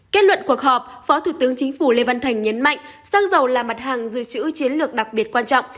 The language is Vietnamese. kết luận cuộc họp phó thủ tướng chính phủ lê văn thành nhấn mạnh xăng dầu là mặt hàng dự trữ chiến lược đặc biệt quan trọng